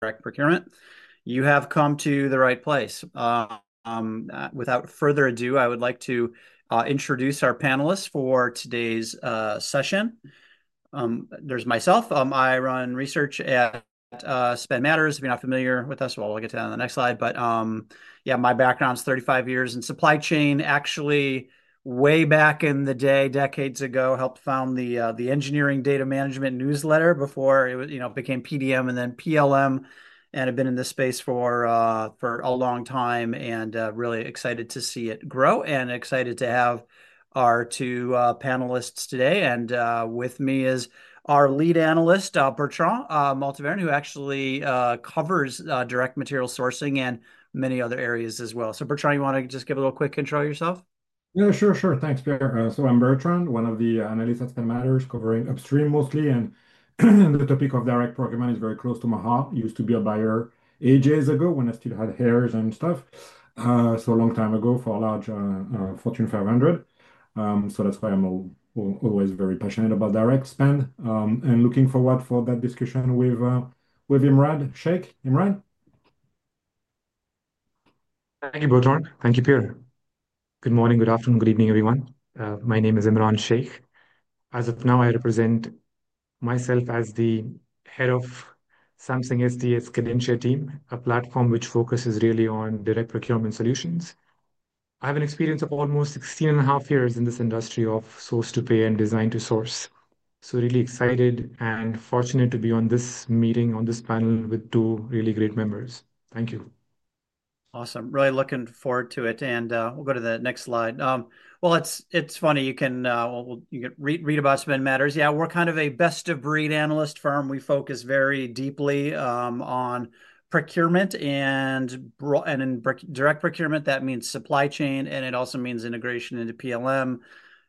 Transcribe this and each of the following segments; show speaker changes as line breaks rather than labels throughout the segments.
Procurement. You have come to the right place. Without further ado, I would like to introduce our panelists for today's session. There's myself. I run research at Spend Matters. If you're not familiar with us, we'll get to that on the next slide. Yeah, my background's 35 years in supply chain. Actually, way back in the day, decades ago, I helped found the Engineering Data Management newsletter before it became PDM and then PLM, and I've been in this space for a long time and really excited to see it grow and excited to have our two panelists today. With me is our lead analyst, Bertrand Maltaverne, who actually covers direct material sourcing and many other areas as well. Bertrand, you want to just give a little quick intro of yourself?
Yeah, sure, sure. Thanks, Pierre. So I'm Bertrand, one of the analysts at Spend Matters, covering upstream mostly. The topic of direct procurement is very close to my heart. I used to be a buyer ages ago when I still had hairs and stuff. A long time ago for a large Fortune 500. That's why I'm always very passionate about direct spend. Looking forward for that discussion with Imran Sheikh. Imran?
Thank you, Bertrand. Thank you, Pierre. Good morning, good afternoon, good evening, everyone. My name is Imran Sheikh. As of now, I represent myself as the Head of Samsung SDS Cadencia Team, a platform which focuses really on direct procurement solutions. I have an experience of almost 16 and a half years in this industry of source to pay and design to source. So really excited and fortunate to be on this meeting, on this panel with two really great members. Thank you.
Awesome. Really looking forward to it. We'll go to the next slide. It's funny. You can read about Spend Matters. Yeah, we're kind of a best-of-breed analyst firm. We focus very deeply on procurement. In Direct Procurement, that means supply chain, and it also means integration into PLM,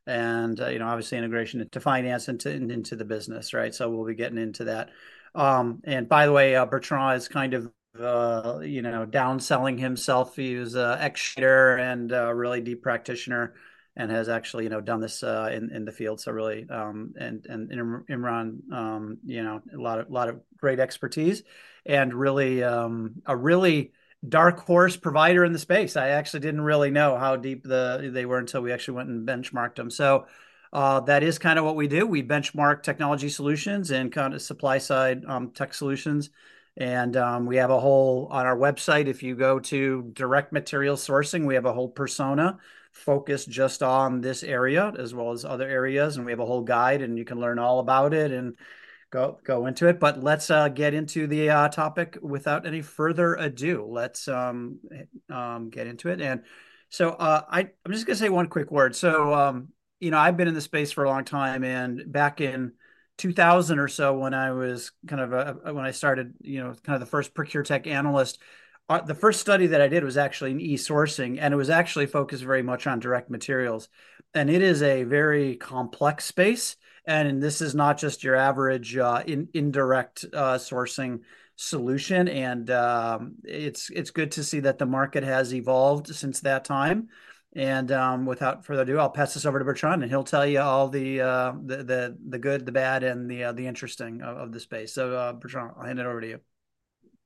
and obviously integration into finance and into the business, right? We'll be getting into that. By the way, Bertrand is kind of downselling himself. He was an ex-chair and a really deep practitioner and has actually done this in the field. Really, and Imran, a lot of great expertise and a really dark horse provider in the space. I actually didn't really know how deep they were until we actually went and benchmarked them. That is kind of what we do. We benchmark technology solutions and kind of supply-side tech solutions. We have a whole on our website. If you go to direct material sourcing, we have a whole persona focused just on this area as well as other areas. We have a whole guide, and you can learn all about it and go into it. Let's get into the topic without any further ado. Let's get into it. I'm just going to say one quick word. I've been in the space for a long time. Back in 2000 or so, when I started kind of the first procure tech analyst, the first study that I did was actually in e-sourcing, and it was actually focused very much on direct materials. It is a very complex space. This is not just your average indirect sourcing solution. It is good to see that the market has evolved since that time. Without further ado, I'll pass this over to Bertrand, and he'll tell you all the good, the bad, and the interesting of the space. Bertrand, I'll hand it over to you.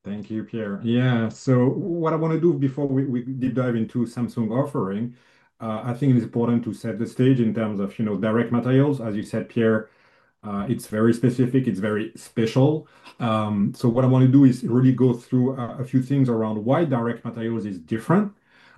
Thank you, Pierre. Yeah. What I want to do before we deep dive into Samsung offering, I think it is important to set the stage in terms of direct materials. As you said, Pierre, it's very specific. It's very special. What I want to do is really go through a few things around why direct materials is different.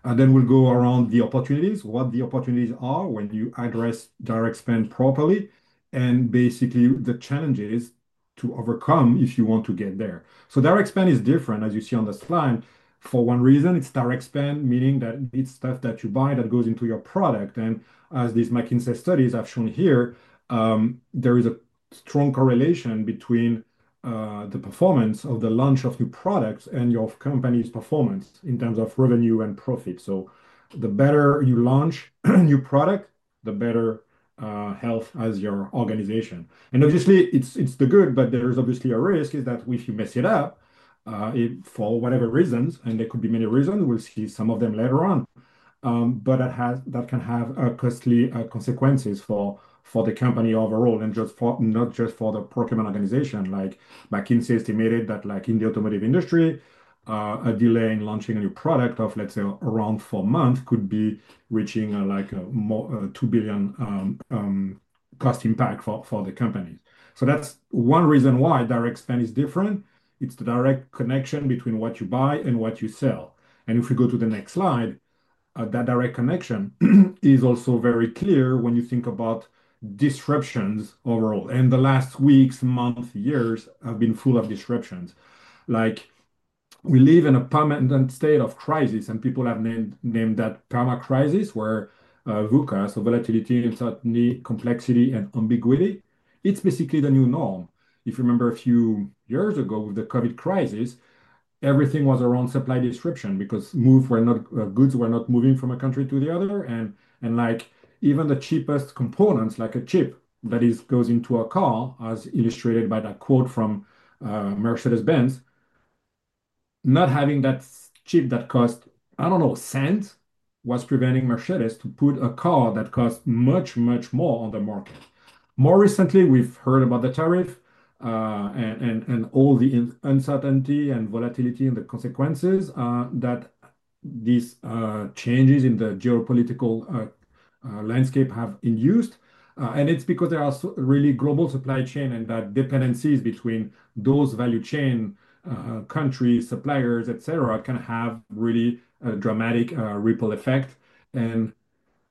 Then we'll go around the opportunities, what the opportunities are when you address direct spend properly, and basically the challenges to overcome if you want to get there. Direct spend is different, as you see on the slide, for one reason. It's direct spend, meaning that it's stuff that you buy that goes into your product. As these McKinsey studies have shown here, there is a strong correlation between the performance of the launch of new products and your company's performance in terms of revenue and profit. The better you launch a new product, the better health has your organization. Obviously, it's the good, but there is obviously a risk that if you mess it up for whatever reasons, and there could be many reasons, we'll see some of them later on, that can have costly consequences for the company overall and not just for the procurement organization. McKinsey estimated that in the automotive industry, a delay in launching a new product of, let's say, around four months could be reaching a $2 billion cost impact for the company. That's one reason why direct spend is different. It's the direct connection between what you buy and what you sell. If we go to the next slide, that direct connection is also very clear when you think about disruptions overall. The last weeks, months, years have been full of disruptions. We live in a permanent state of crisis, and people have named that perma-crisis where VUCA, so volatility, uncertainty, complexity, and ambiguity. It's basically the new norm. If you remember a few years ago with the COVID crisis, everything was around supply disruption because goods were not moving from a country to the other. Even the cheapest components, like a chip that goes into a car, as illustrated by that quote from Mercedes-Benz, not having that chip that cost, I don't know, a cent was preventing Mercedes to put a car that costs much, much more on the market. More recently, we've heard about the tariff and all the uncertainty and volatility and the consequences that these changes in the geopolitical landscape have induced. It is because there are really global supply chain and that dependencies between those value chain countries, suppliers, et cetera, can have really a dramatic ripple effect.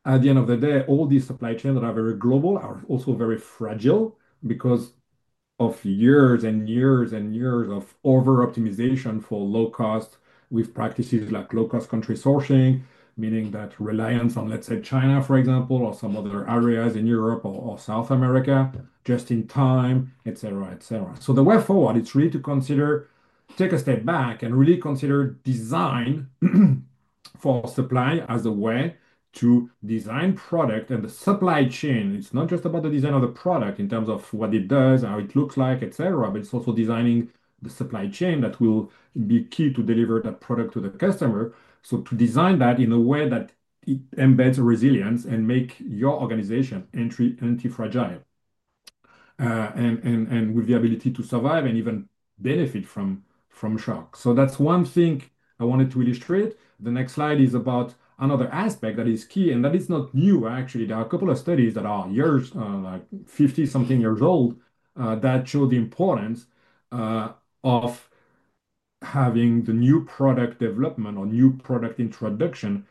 At the end of the day, all these supply chains that are very global are also very fragile because of years and years and years of over-optimization for low-cost with practices like low-cost country sourcing, meaning that reliance on, let's say, China, for example, or some other areas in Europe or South America, just in time, et cetera, et cetera. The way forward, it's really to consider, take a step back and really consider design for supply as a way to design product and the supply chain. It's not just about the design of the product in terms of what it does, how it looks like, et cetera, but it's also designing the supply chain that will be key to deliver that product to the customer. To design that in a way that embeds resilience and makes your organization anti-fragile and with the ability to survive and even benefit from shock. That's one thing I wanted to illustrate. The next slide is about another aspect that is key, and that is not new, actually. There are a couple of studies that are years, like 50-something years old, that show the importance of having the new product development or new product introduction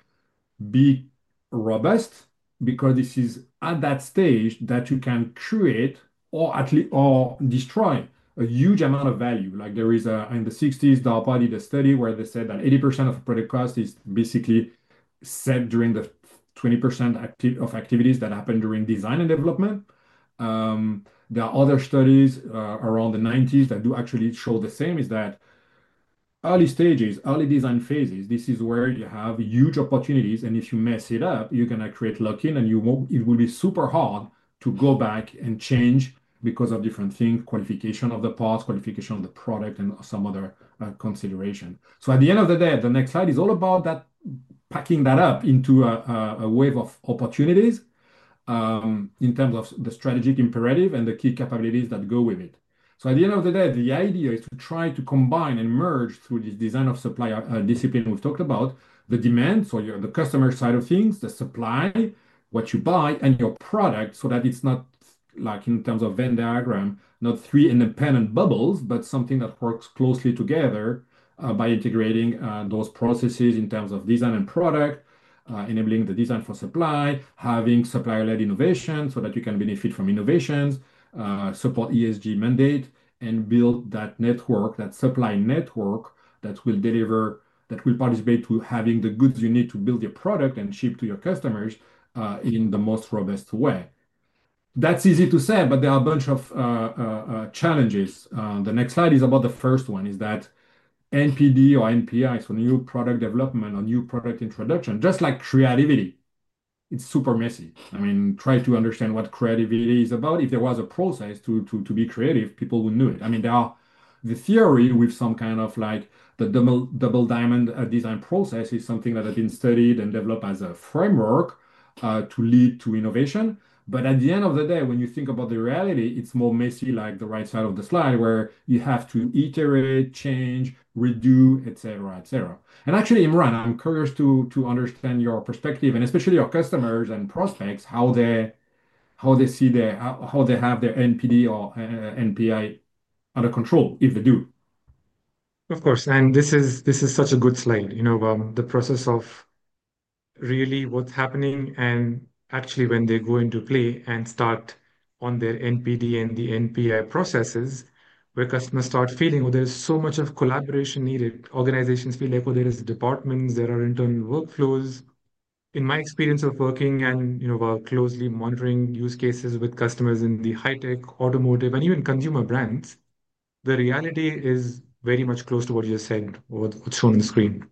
be robust because this is at that stage that you can create or destroy a huge amount of value. Like there is, in the 1960s, Dow Buddy the study where they said that 80% of product cost is basically set during the 20% of activities that happen during design and development. There are other studies around the 1990s that do actually show the same is that early stages, early design phases, this is where you have huge opportunities. If you mess it up, you're going to create luck in, and it will be super hard to go back and change because of different things, qualification of the parts, qualification of the product, and some other consideration. At the end of the day, the next slide is all about packing that up into a wave of opportunities in terms of the strategic imperative and the key capabilities that go with it. At the end of the day, the idea is to try to combine and merge through this design for supply discipline we've talked about, the demand, so the customer side of things, the supply, what you buy, and your product so that it's not, like in terms of Venn diagram, not three independent bubbles, but something that works closely together by integrating those processes in terms of design and product, enabling the design for supply, having supplier-led innovation so that you can benefit from innovations, support ESG mandate, and build that network, that supply network that will deliver, that will participate to having the goods you need to build your product and ship to your customers in the most robust way. That's easy to say, but there are a bunch of challenges. The next slide is about the first one, is that NPD or NPI, so New Product Development or New Product Introduction, just like creativity, it's super messy. I mean, try to understand what creativity is about. If there was a process to be creative, people wouldn't do it. I mean, the theory with some kind of like the Double Diamond design process is something that has been studied and developed as a framework to lead to innovation. At the end of the day, when you think about the reality, it's more messy, like the right side of the slide, where you have to iterate, change, redo, et cetera, et cetera. Actually, Imran, I'm curious to understand your perspective and especially your customers and prospects, how they see how they have their NPD or NPI under control if they do.
Of course. This is such a good slide. The process of really what's happening and actually when they go into play and start on their NPD and the NPI processes where customers start feeling, well, there is so much of collaboration needed. Organizations feel like, well, there are departments, there are internal workflows. In my experience of working and closely monitoring use cases with customers in the high-tech, automotive, and even consumer brands, the reality is very much close to what you just said, what's shown on the screen.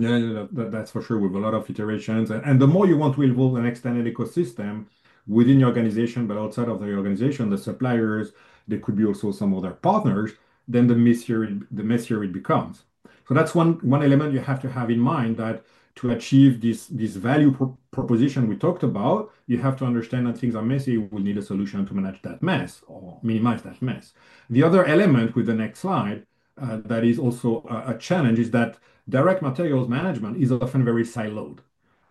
Yeah, yeah, that's for sure. We have a lot of iterations. The more you want to involve an extended ecosystem within your organization, but outside of the organization, the suppliers, there could be also some other partners, the messier it becomes. That's one element you have to have in mind that to achieve this value proposition we talked about, you have to understand that things are messy. We need a solution to manage that mess or minimize that mess. The other element with the next slide that is also a challenge is that direct materials management is often very siloed.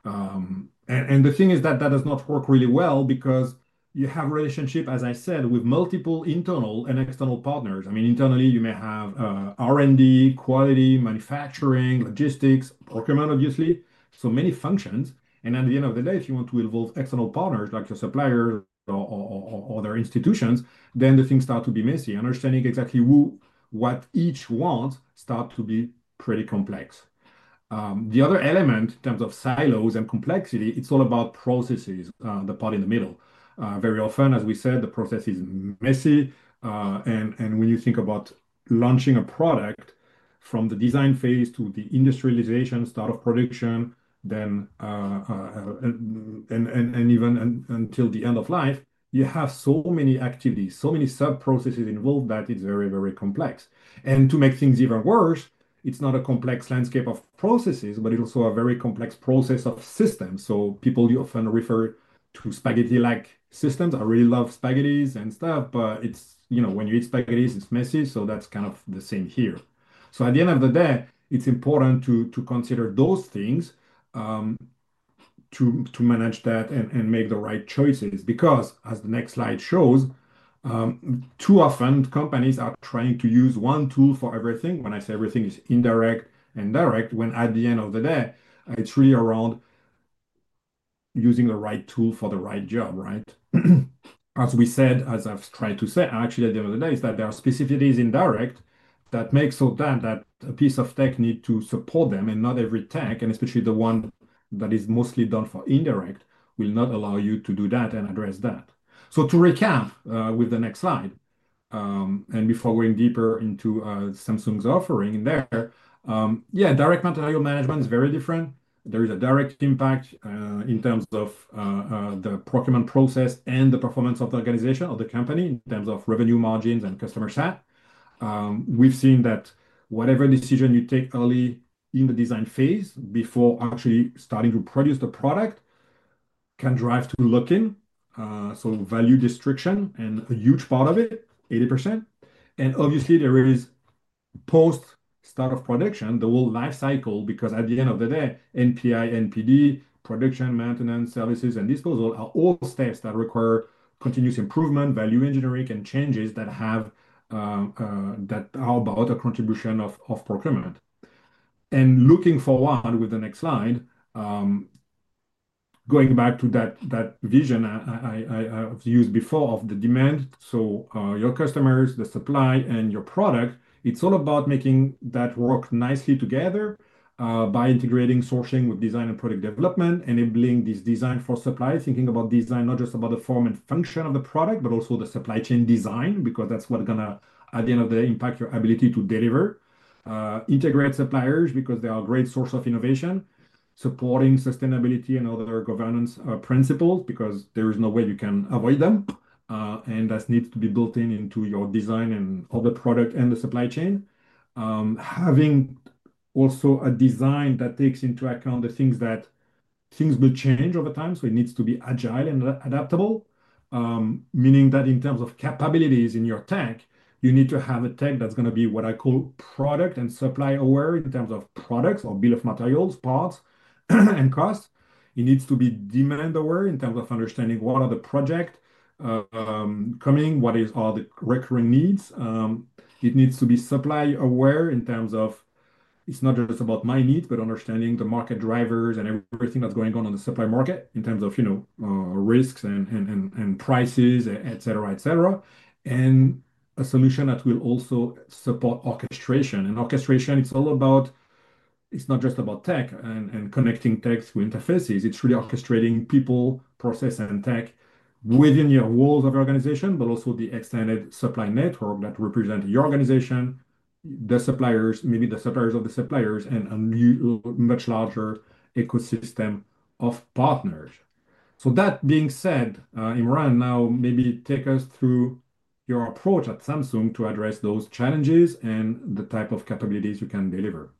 The thing is that that does not work really well because you have a relationship, as I said, with multiple internal and external partners. I mean, internally, you may have R&D, quality, manufacturing, logistics, procurement, obviously, so many functions. At the end of the day, if you want to involve external partners like your suppliers or their institutions, then things start to be messy. Understanding exactly what each wants starts to be pretty complex. The other element in terms of silos and complexity, it's all about processes, the part in the middle. Very often, as we said, the process is messy. When you think about launching a product from the design phase to the industrialization, start of production, and even until the end of life, you have so many activities, so many sub-processes involved that it's very, very complex. To make things even worse, it's not a complex landscape of processes, but it's also a very complex process of systems. People often refer to spaghetti-like systems. I really love spaghettis and stuff, but when you eat spaghettis, it's messy. That's kind of the same here. At the end of the day, it's important to consider those things to manage that and make the right choices because, as the next slide shows, too often, companies are trying to use one tool for everything. When I say everything, it's indirect and direct, when at the end of the day, it's really around using the right tool for the right job, right? As we said, as I've tried to say, actually, at the end of the day, there are specificities in direct that make so that a piece of tech needs to support them. Not every tech, and especially the one that is mostly done for indirect, will allow you to do that and address that. To recap with the next slide, and before going deeper into Samsung's offering there, yeah, direct material management is very different. There is a direct impact in terms of the procurement process and the performance of the organization or the company in terms of revenue, margins, and customer sat. We've seen that whatever decision you take early in the design phase before actually starting to produce the product can drive to lock-in, so value destruction, and a huge part of it, 80%. Obviously, there is post-Start of Production, the whole life cycle, because at the end of the day, NPI, NPD, production, maintenance, services, and disposal are all steps that require continuous improvement, value engineering, and changes that are about a contribution of procurement. Looking forward with the next slide, going back to that vision I've used before of the demand, so your customers, the supply, and your product, it's all about making that work nicely together by integrating sourcing with design and product development, enabling this design for supply, thinking about design, not just about the form and function of the product, but also the supply chain design, because that's what's going to, at the end of the day, impact your ability to deliver. Integrate suppliers because they are a great source of innovation, supporting sustainability and other governance principles, because there is no way you can avoid them. That needs to be built in into your design and all the product and the supply chain. Having also a design that takes into account the things that things will change over time, so it needs to be agile and adaptable, meaning that in terms of capabilities in your tech, you need to have a tech that's going to be what I call product and supply aware in terms of products or Bill of Materials, parts, and costs. It needs to be demand aware in terms of understanding what are the projects coming, what are the recurring needs. It needs to be supply aware in terms of it's not just about my needs, but understanding the market drivers and everything that's going on in the supply market in terms of risks and prices, et cetera, et cetera. A solution that will also support orchestration. Orchestration, it's all about it's not just about tech and connecting tech through interfaces. It's really orchestrating people, process, and tech within your walls of your organization, but also the extended supply network that represents your organization, the suppliers, maybe the suppliers of the suppliers, and a much larger ecosystem of partners. That being said, Imran, now maybe take us through your approach at Samsung SDS to address those challenges and the type of capabilities you can deliver.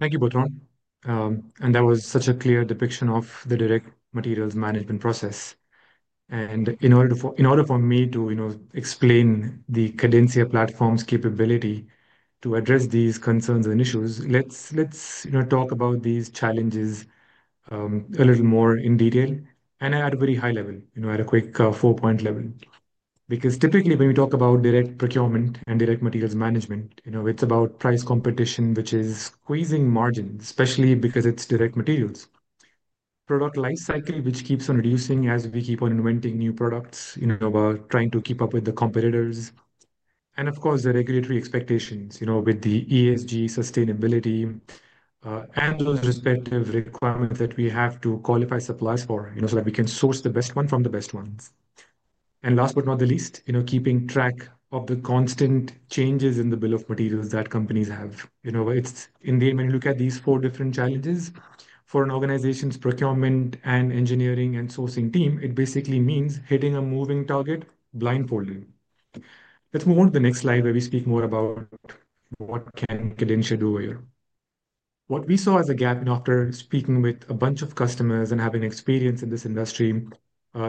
Thank you, Bertrand. That was such a clear depiction of the direct materials management process. In order for me to explain the Cadencia Platform's capability to address these concerns and issues, let's talk about these challenges a little more in detail and at a very high level, at a quick four-point level. Typically, when we talk about direct procurement and direct materials management, it's about price competition, which is squeezing margins, especially because it's direct materials. Product lifecycle, which keeps on reducing as we keep on inventing new products, trying to keep up with the competitors. Of course, the regulatory expectations with the ESG sustainability and those respective requirements that we have to qualify suppliers for so that we can source the best one from the best ones. Last but not the least, keeping track of the constant changes in the Bill of Materials that companies have. In the end, when you look at these four different challenges for an organization's procurement and engineering and sourcing team, it basically means hitting a moving target, blindfolding. Let's move on to the next slide where we speak more about what can Cadencia do here. What we saw as a gap after speaking with a bunch of customers and having experience in this industry,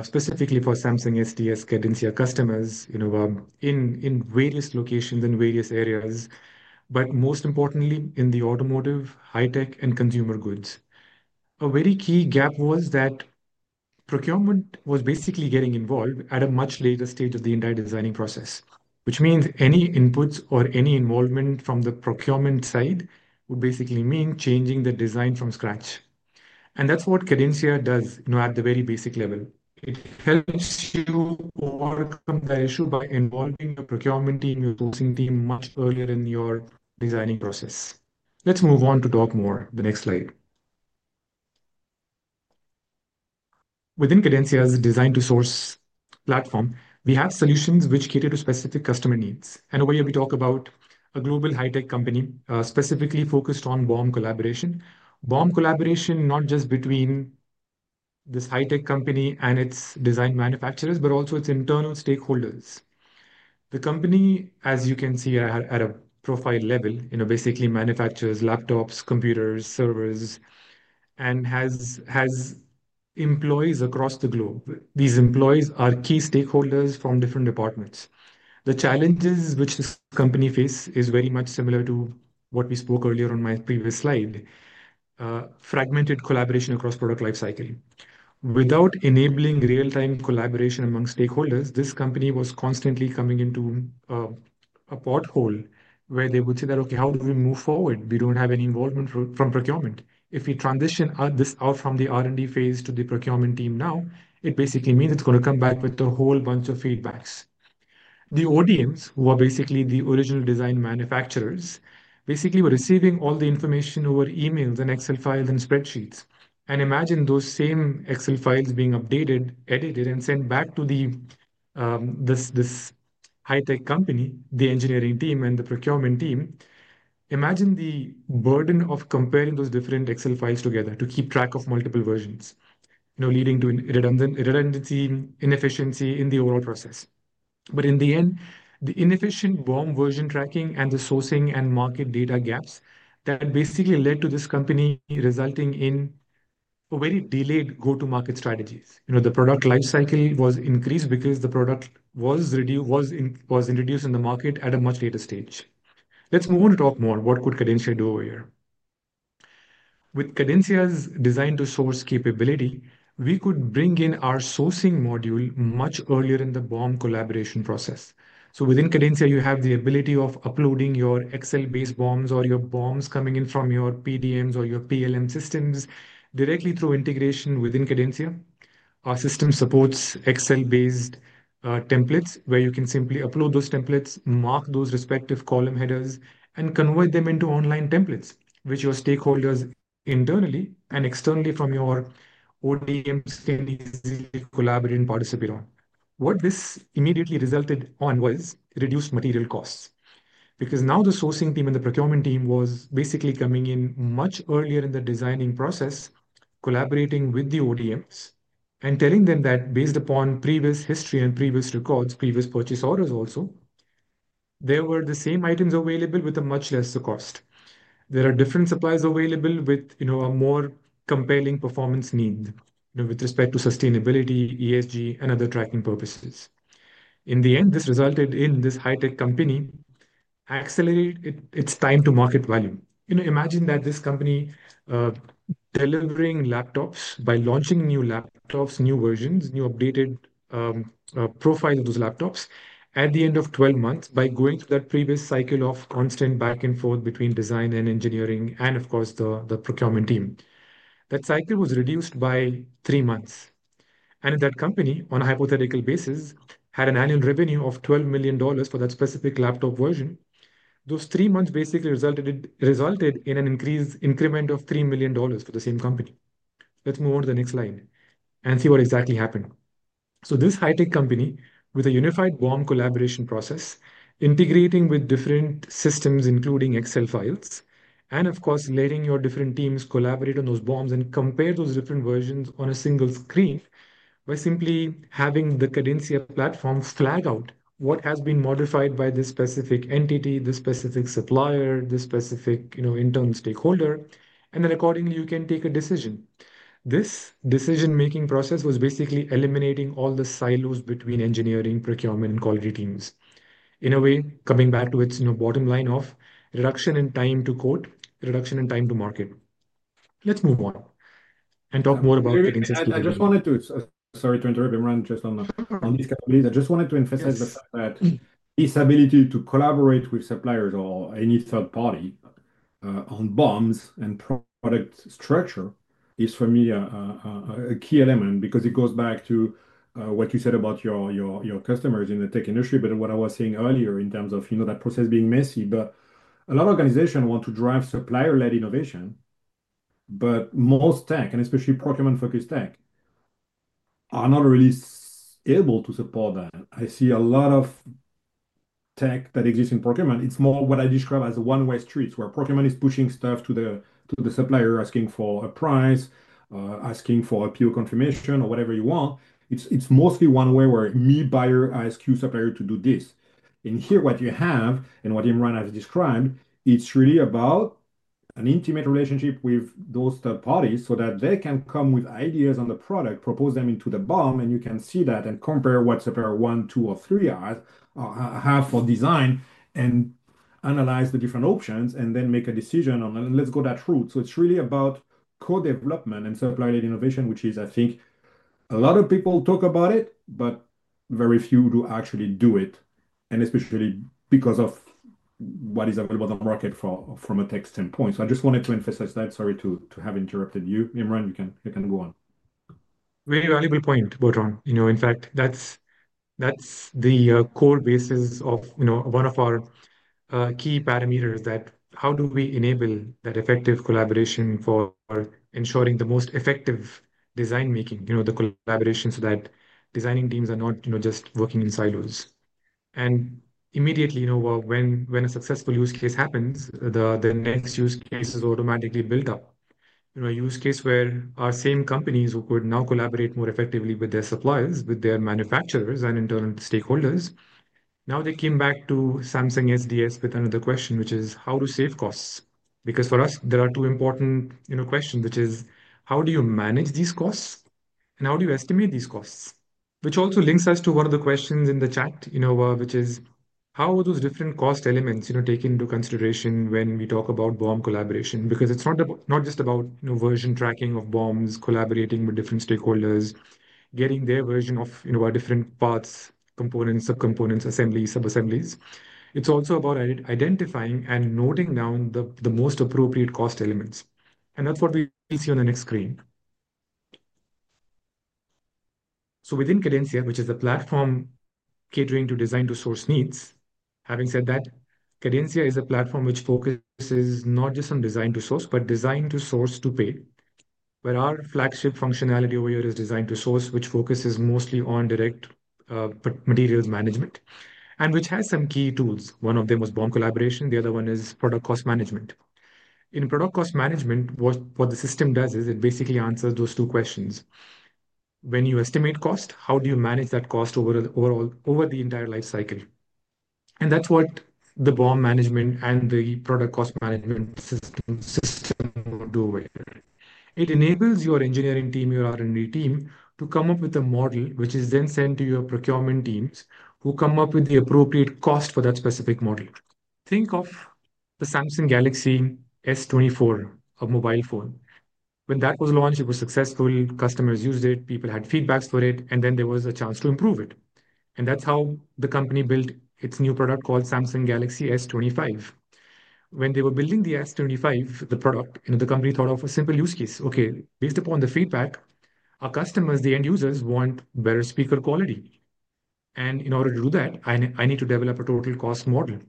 specifically for Samsung SDS Cadencia customers in various locations and various areas, but most importantly, in the automotive, high-tech, and consumer goods. A very key gap was that procurement was basically getting involved at a much later stage of the entire designing process, which means any inputs or any involvement from the procurement side would basically mean changing the design from scratch. That's what Cadencia does at the very basic level. It helps you overcome that issue by involving your procurement team, your sourcing team much earlier in your designing process. Let's move on to talk more, the next slide. Within Cadencia's design to source platform, we have solutions which cater to specific customer needs. Over here, we talk about a global high-tech company specifically focused on BOM Collaboration. BOM Collaboration, not just between this high-tech company and its design manufacturers, but also its internal stakeholders. The company, as you can see at a profile level, basically manufactures laptops, computers, servers, and has employees across the globe. These employees are key stakeholders from different departments. The challenges which this company faces are very much similar to what we spoke earlier on my previous slide, fragmented collaboration across product lifecycle. Without enabling real-time collaboration among stakeholders, this company was constantly coming into a pothole where they would say that, "Okay, how do we move forward? We don't have any involvement from procurement." If we transition this out from the R&D phase to the procurement team now, it basically means it's going to come back with a whole bunch of feedback. The audience, who are basically the original design manufacturers, basically were receiving all the information over emails and Excel files and spreadsheets. Imagine those same Excel files being updated, edited, and sent back to this high-tech company, the engineering team and the procurement team. Imagine the burden of comparing those different Excel files together to keep track of multiple versions, leading to redundancy, inefficiency in the overall process. In the end, the inefficient BOM version tracking and the sourcing and market data gaps basically led to this company resulting in very delayed go-to-market strategies. The product lifecycle was increased because the product was introduced in the market at a much later stage. Let's move on to talk more. What could Cadencia do here? With Cadencia's design to source capability, we could bring in our sourcing module much earlier in the BOM collaboration process. Within Cadencia, you have the ability of uploading your Excel-based BOMs or your BOMs coming in from your PDMs or your PLM systems directly through integration within Cadencia. Our system supports Excel-based templates where you can simply upload those templates, mark those respective column headers, and convert them into online templates, which your stakeholders internally and externally from your ODMs can easily collaborate and participate on. What this immediately resulted in was reduced material costs. Because now the sourcing team and the procurement team were basically coming in much earlier in the designing process, collaborating with the ODMs and telling them that based upon previous history and previous records, previous purchase orders also, there were the same items available with a much lesser cost. There are different suppliers available with a more compelling performance need with respect to sustainability, ESG, and other tracking purposes. In the end, this resulted in this high-tech company accelerating its time to market value. Imagine that this company is delivering laptops by launching new laptops, new versions, new updated profiles of those laptops at the end of 12 months by going through that previous cycle of constant back and forth between design and engineering and, of course, the procurement team. That cycle was reduced by three months. That company, on a hypothetical basis, had an annual revenue of $12 million for that specific laptop version. Those three months basically resulted in an increased increment of $3 million for the same company. Let's move on to the next slide and see what exactly happened. This high-tech company with a unified BOM collaboration process, integrating with different systems, including Excel files, and of course, letting your different teams collaborate on those BOMs and compare those different versions on a single screen by simply having the Cadencia Platform flag out what has been modified by this specific entity, this specific supplier, this specific internal stakeholder. Accordingly, you can take a decision. This decision-making process was basically eliminating all the silos between engineering, procurement, and quality teams. In a way, coming back to its bottom line of reduction in time to quote, reduction in time to market. Let's move on and talk more about Cadencia's capabilities.
I just wanted to, sorry to interrupt, Imran, just on these capabilities. I just wanted to emphasize the fact that this ability to collaborate with suppliers or any third party on BOMs and product structure is for me a key element because it goes back to what you said about your customers in the tech industry, but what I was saying earlier in terms of that process being messy. A lot of organizations want to drive supplier-led innovation, but most tech, and especially procurement-focused tech, are not really able to support that. I see a lot of tech that exists in procurement. It's more what I describe as one-way streets where procurement is pushing stuff to the supplier asking for a price, asking for a PO confirmation, or whatever you want. It's mostly one-way where me, buyer, ask you, supplier to do this. What you have and what Imran has described, it's really about an intimate relationship with those third parties so that they can come with ideas on the product, propose them into the BOM, and you can see that and compare what supplier one, two, or three have for design and analyze the different options and then make a decision on, "Let's go that route." It is really about co-development and supplier-led innovation, which is, I think, a lot of people talk about it, but very few actually do it, and especially because of what is available on the market from a tech standpoint. I just wanted to emphasize that. Sorry to have interrupted you. Imran, you can go on.
Very valuable point, Bertrand. In fact, that's the core basis of one of our key parameters, that how do we enable that effective collaboration for ensuring the most effective design making, the collaboration so that designing teams are not just working in silos. Immediately, when a successful use case happens, the next use case is automatically built up. A use case where our same companies who could now collaborate more effectively with their suppliers, with their manufacturers and internal stakeholders, now they came back to Samsung SDS with another question, which is how to save costs. Because for us, there are two important questions, which is how do you manage these costs and how do you estimate these costs? Which also links us to one of the questions in the chat, which is how are those different cost elements taken into consideration when we talk about BOM collaboration? Because it's not just about version tracking of BOMs, collaborating with different stakeholders, getting their version of our different parts, components, subcomponents, assemblies, sub-assemblies. It's also about identifying and noting down the most appropriate cost elements. That's what we see on the next screen. Within Cadencia, which is the platform catering to design to source needs, having said that, Cadencia is a platform which focuses not just on design to source, but design to source to pay. Our flagship functionality over here is design to source, which focuses mostly on direct materials management and which has some key tools. One of them was BOM collaboration. The other one is product cost management. In product cost management, what the system does is it basically answers those two questions. When you estimate cost, how do you manage that cost over the entire life cycle? That is what the BOM management and the product cost management system do over here. It enables your engineering team, your R&D team, to come up with a model which is then sent to your procurement teams who come up with the appropriate cost for that specific model. Think of the Samsung Galaxy S24, a mobile phone. When that was launched, it was successful. Customers used it. People had feedback for it. There was a chance to improve it. That is how the company built its new product called Samsung Galaxy S25. When they were building the S25, the company thought of a simple use case. Okay, based upon the feedback, our customers, the end users, want better speaker quality. In order to do that, I need to develop a total cost model.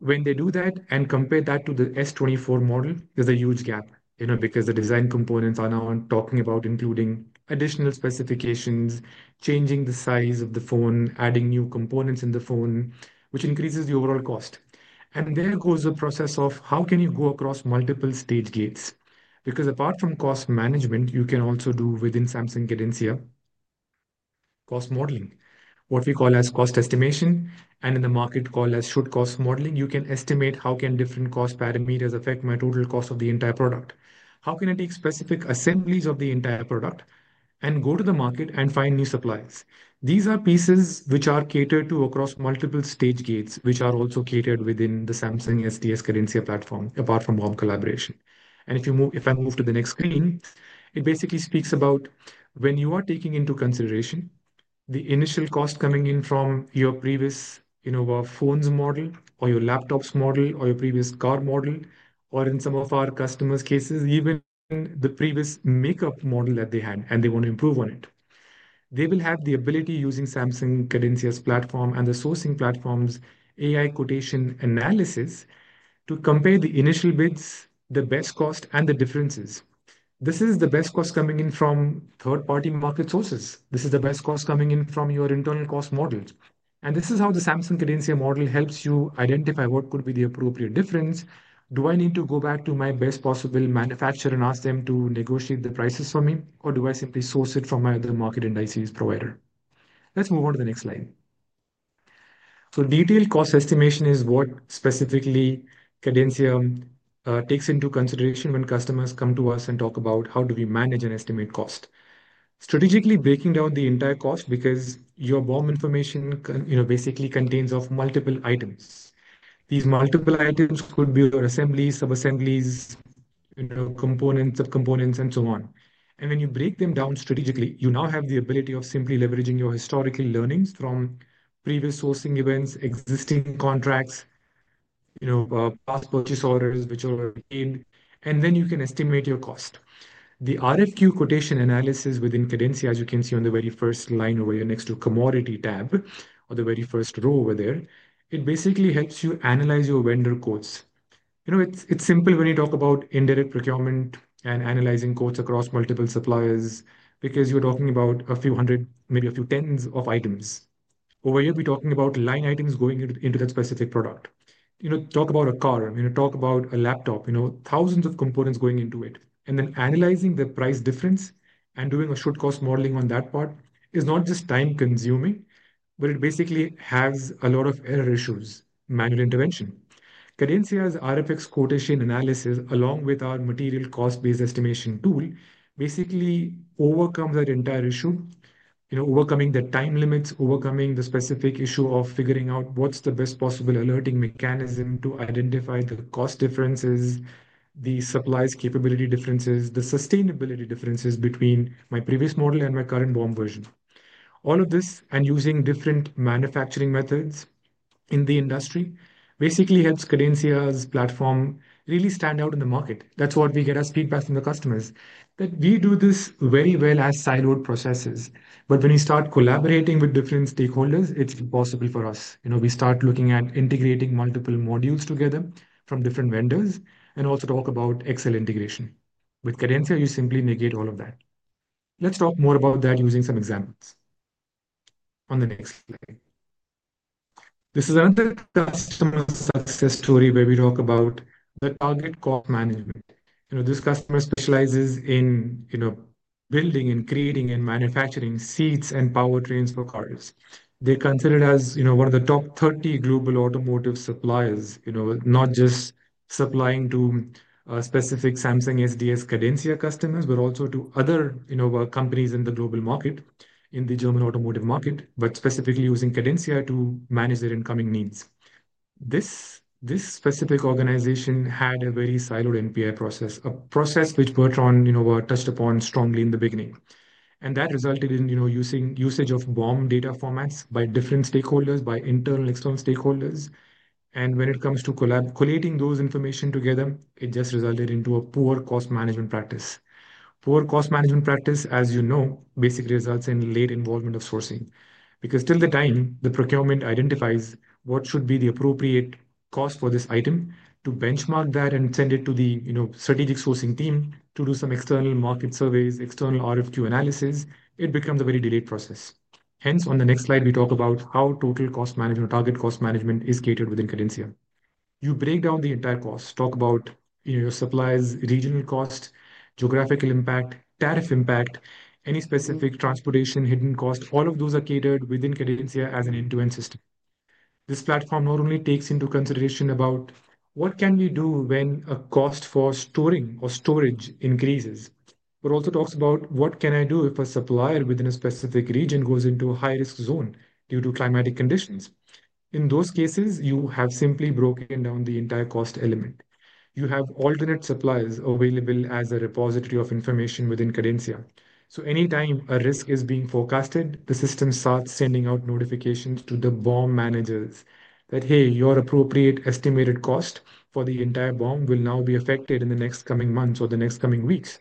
When they do that and compare that to the S24 model, there's a huge gap because the design components are now talking about including additional specifications, changing the size of the phone, adding new components in the phone, which increases the overall cost. There goes the process of how can you go across multiple stage gates? Because apart from cost management, you can also do within Samsung Cadencia cost modeling, what we call as cost estimation, and in the market called as should cost modeling, you can estimate how can different cost parameters affect my total cost of the entire product. How can I take specific assemblies of the entire product and go to the market and find new suppliers? These are pieces which are catered to across multiple stage gates, which are also catered within the Samsung SDS Cadencia Platform, apart from BOM collaboration. If I move to the next screen, it basically speaks about when you are taking into consideration the initial cost coming in from your previous phone model or your laptop model or your previous car model, or in some of our customers' cases, even the previous makeup model that they had, and they want to improve on it. They will have the ability using Samsung Cadencia's platform and the sourcing platform's AI quotation analysis to compare the initial bids, the best cost, and the differences. This is the best cost coming in from third-party market sources. This is the best cost coming in from your internal cost models. This is how the Samsung Cadencia model helps you identify what could be the appropriate difference. Do I need to go back to my best possible manufacturer and ask them to negotiate the prices for me, or do I simply source it from my other market and ICS provider? Let's move on to the next slide. Detailed cost estimation is what specifically Cadencia takes into consideration when customers come to us and talk about how do we manage and estimate cost. Strategically breaking down the entire cost because your BOM information basically contains multiple items. These multiple items could be your assemblies, sub-assemblies, components, sub-components, and so on. When you break them down strategically, you now have the ability of simply leveraging your historical learnings from previous sourcing events, existing contracts, past purchase orders, which are obtained, and then you can estimate your cost. The RFQ quotation analysis within Cadencia, as you can see on the very first line over here next to commodity tab, or the very first row over there, it basically helps you analyze your vendor quotes. It's simple when you talk about indirect procurement and analyzing quotes across multiple suppliers because you're talking about a few hundred, maybe a few tens of items. Over here, we're talking about line items going into that specific product. Talk about a car. Talk about a laptop. Thousands of components going into it. Then analyzing the price difference and doing a should cost modeling on that part is not just time-consuming, but it basically has a lot of error issues, manual intervention. Cadencia's RFX quotation analysis, along with our material cost-based estimation tool, basically overcomes that entire issue, overcoming the time limits, overcoming the specific issue of figuring out what's the best possible alerting mechanism to identify the cost differences, the supplies capability differences, the sustainability differences between my previous model and my current BOM Version. All of this and using different manufacturing methods in the industry basically helps Cadencia's platform really stand out in the market. That's what we get as feedback from the customers, that we do this very well as siloed processes. When we start collaborating with different stakeholders, it's impossible for us. We start looking at integrating multiple modules together from different vendors and also talk about Excel integration. With Cadencia, you simply negate all of that. Let's talk more about that using some examples on the next slide. This is another customer success story where we talk about the target cost management. This customer specializes in building and creating and manufacturing seats and powertrains for cars. They're considered as one of the top 30 global automotive suppliers, not just supplying to specific Samsung SDS Cadencia customers, but also to other companies in the global market, in the German automotive market, but specifically using Cadencia to manage their incoming needs. This specific organization had a very siloed NPI process, a process which Bertrand Maltaverne touched upon strongly in the beginning. That resulted in usage of BOM data formats by different stakeholders, by internal external stakeholders. When it comes to collating those information together, it just resulted into a poor cost management practice. Poor cost management practice, as you know, basically results in late involvement of sourcing. Because till the time the procurement identifies what should be the appropriate cost for this item, to benchmark that and send it to the strategic sourcing team to do some external market surveys, external RFQ analysis, it becomes a very delayed process. Hence, on the next slide, we talk about how total cost management, target cost management is catered within Cadencia. You break down the entire cost, talk about your suppliers' regional cost, geographical impact, tariff impact, any specific transportation hidden cost. All of those are catered within Cadencia as an end-to-end system. This platform not only takes into consideration about what can we do when a cost for storing or storage increases, but also talks about what can I do if a supplier within a specific region goes into a high-risk zone due to climatic conditions. In those cases, you have simply broken down the entire cost element. You have alternate suppliers available as a repository of information within Cadencia. Anytime a risk is being forecasted, the system starts sending out notifications to the BOM Managers that, "Hey, your appropriate estimated cost for the entire BOM will now be affected in the next coming months or the next coming weeks,"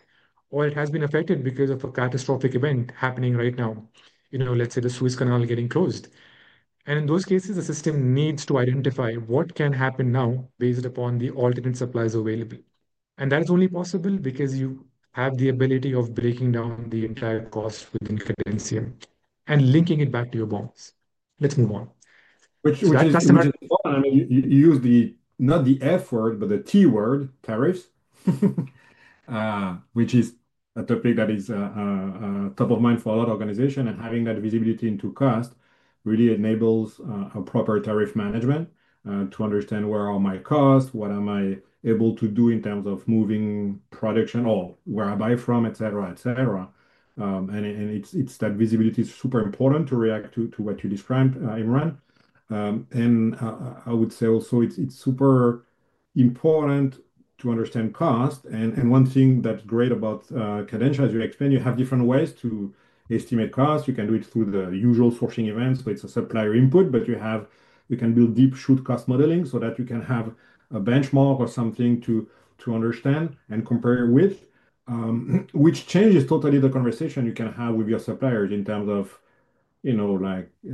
or it has been affected because of a catastrophic event happening right now. Let's say the Suez Canal getting closed. In those cases, the system needs to identify what can happen now based upon the alternate suppliers available. That is only possible because you have the ability of breaking down the entire cost within Cadencia and linking it back to your BOMs. Let's move on.
Which customers do. I mean, you use not the F word, but the T word, tariffs, which is a topic that is top of mind for a lot of organizations. Having that visibility into cost really enables a proper tariff management to understand where are my costs, what am I able to do in terms of moving production, or where I buy from, et cetera, et cetera. That visibility is super important to react to what you described, Imran. I would say also, it's super important to understand cost. One thing that's great about Cadencia, as you explained, you have different ways to estimate costs. You can do it through the usual sourcing events. It's a supplier input, but you can build deep should cost modeling so that you can have a benchmark or something to understand and compare with, which changes totally the conversation you can have with your suppliers in terms of,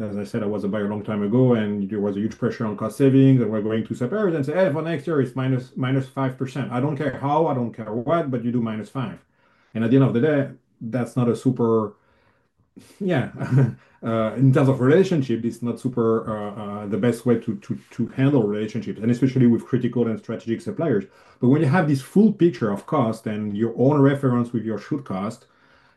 as I said, I was a buyer a long time ago, and there was a huge pressure on cost savings. We were going to suppliers and saying, "Hey, for next year, it's -5%. I don't care how, I don't care what, but you do -5%." At the end of the day, that's not a super, yeah, in terms of relationship, it's not super the best way to handle relationships, and especially with critical and strategic suppliers. When you have this full picture of cost and your own reference with your should cost,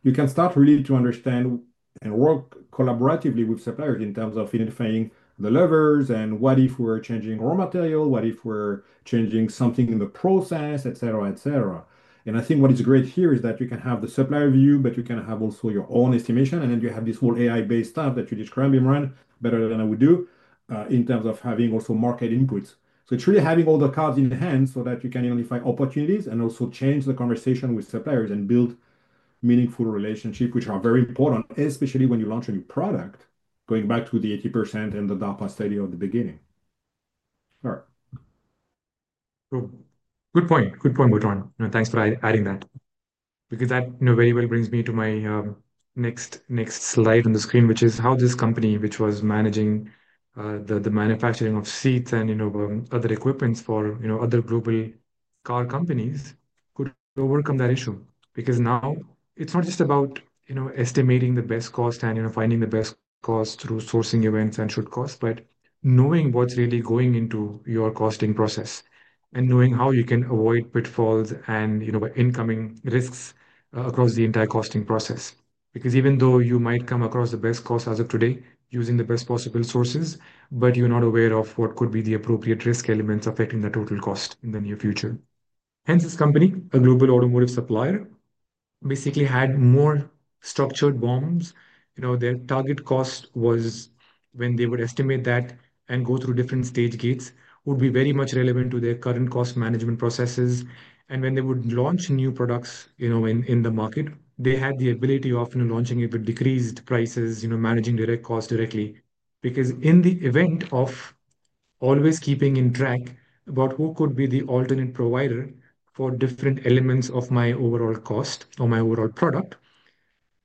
you can start really to understand and work collaboratively with suppliers in terms of identifying the levers and what if we're changing raw material, what if we're changing something in the process, et cetera, et cetera. I think what is great here is that you can have the supplier view, but you can have also your own estimation. Then you have this whole AI-based stuff that you described, Imran, better than I would do in terms of having also market inputs. It's really having all the cards in hand so that you can identify opportunities and also change the conversation with suppliers and build meaningful relationships, which are very important, especially when you launch a new product, going back to the 80% and the DARPA study of the beginning.
All right. Good point. Good point, Bertrand. Thanks for adding that. Because that very well brings me to my next slide on the screen, which is how this company, which was managing the manufacturing of seats and other equipment for other global car companies, could overcome that issue. Because now it's not just about estimating the best cost and finding the best cost through sourcing events and should cost, but knowing what's really going into your costing process and knowing how you can avoid pitfalls and incoming risks across the entire costing process. Because even though you might come across the best cost as of today using the best possible sources, you're not aware of what could be the appropriate risk elements affecting the total cost in the near future. Hence, this company, a global automotive supplier, basically had more structured BOMs. Their target cost was when they would estimate that and go through different stage gates would be very much relevant to their current cost management processes. When they would launch new products in the market, they had the ability of launching it with decreased prices, managing direct cost directly. Because in the event of always keeping in track about who could be the alternate provider for different elements of my overall cost or my overall product,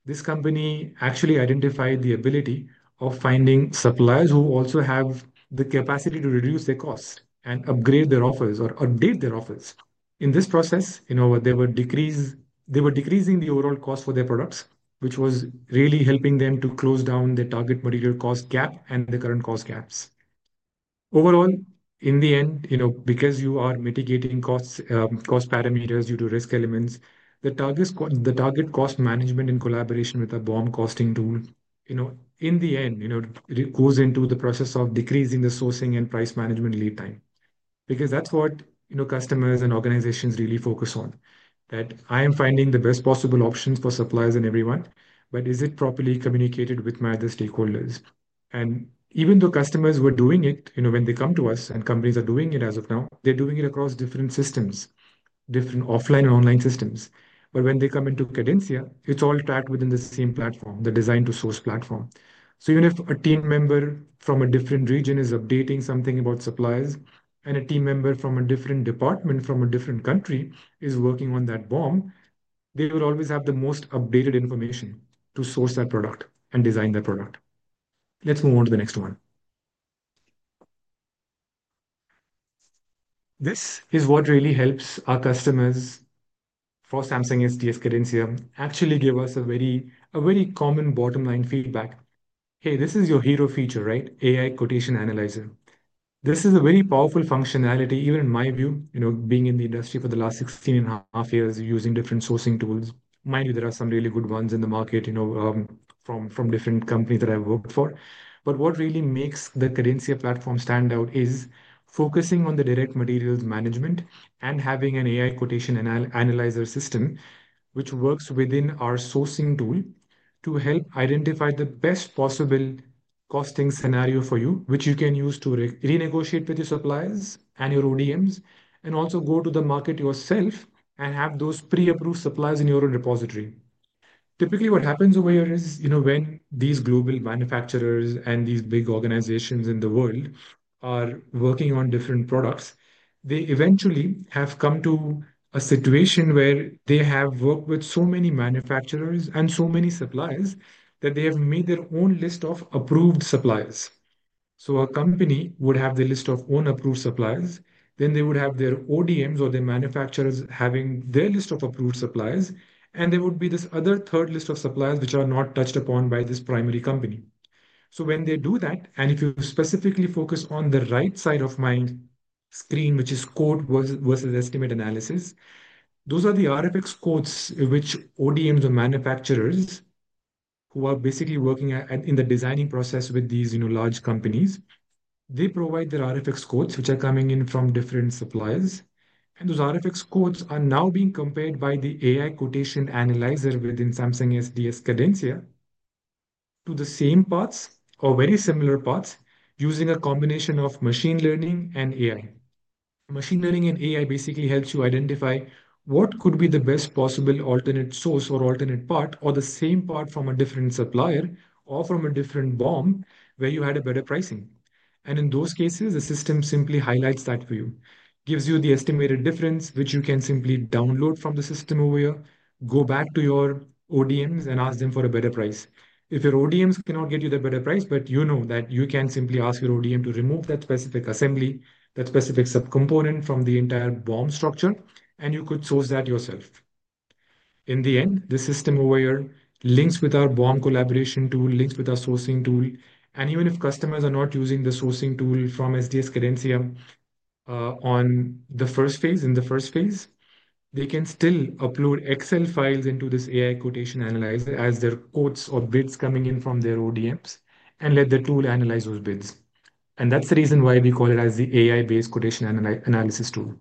this company actually identified the ability of finding suppliers who also have the capacity to reduce their cost and upgrade their offers or update their offers. In this process, they were decreasing the overall cost for their products, which was really helping them to close down the target material cost gap and the current cost gaps. Overall, in the end, because you are mitigating cost parameters due to risk elements, the target cost management in collaboration with a BOM costing tool, in the end, goes into the process of decreasing the sourcing and price management lead time. That is what customers and organizations really focus on, that I am finding the best possible options for suppliers and everyone, but is it properly communicated with my other stakeholders? Even though customers were doing it, when they come to us and companies are doing it as of now, they are doing it across different systems, different offline and online systems. When they come into Cadencia, it is all tracked within the same platform, the design-to-source platform. Even if a team member from a different region is updating something about suppliers and a team member from a different department from a different country is working on that BOM, they would always have the most updated information to source that product and design that product. Let's move on to the next one. This is what really helps our customers for Samsung SDS Cadencia actually give us a very common bottom-line feedback. Hey, this is your hero feature, right? AI quotation analyzer. This is a very powerful functionality, even in my view, being in the industry for the last 16 and a half years using different sourcing tools. Mind you, there are some really good ones in the market from different companies that I've worked for. What really makes the Cadencia Platform stand out is focusing on the direct materials management and having an AI quotation analyzer system, which works within our sourcing tool to help identify the best possible costing scenario for you, which you can use to renegotiate with your suppliers and your ODMs and also go to the market yourself and have those pre-approved supplies in your own repository. Typically, what happens over here is when these global manufacturers and these big organizations in the world are working on different products, they eventually have come to a situation where they have worked with so many manufacturers and so many suppliers that they have made their own list of approved suppliers. A company would have the list of own approved suppliers. Then they would have their ODMs or their manufacturers having their list of approved suppliers. There would be this other third list of suppliers which are not touched upon by this primary company. When they do that, and if you specifically focus on the right side of my screen, which is quote versus estimate analysis, those are the RFX quotes which ODMs or manufacturers who are basically working in the designing process with these large companies, they provide their RFX quotes which are coming in from different suppliers. Those RFX quotes are now being compared by the AI quotation analyzer within Samsung SDS Cadencia to the same parts or very similar parts using a combination of machine learning and AI. Machine learning and AI basically helps you identify what could be the best possible alternate source or alternate part or the same part from a different supplier or from a different BOM where you had a better pricing. In those cases, the system simply highlights that for you, gives you the estimated difference, which you can simply download from the system over here, go back to your ODMs and ask them for a better price. If your ODMs cannot get you the better price, but you know that you can simply ask your ODM to remove that specific assembly, that specific subcomponent from the entire BOM structure, and you could source that yourself. In the end, the system over here links with our BOM collaboration tool, links with our sourcing tool. Even if customers are not using the sourcing tool from SDS Cadencia in the first phase, they can still upload Excel files into this AI quotation analyzer as their quotes or bids coming in from their ODMs and let the tool analyze those bids. That is the reason why we call it the AI-based quotation analysis tool.